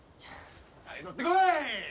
はい取ってこい。